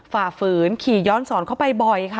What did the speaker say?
ฝ่าฝืนขี่ย้อนสอนเข้าไปบ่อยค่ะ